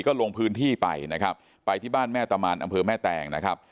ก็ลงพื้นที่ไปนะครับไปที่บ้านแม่ตะมานอำเภอแม่แตงนะครับ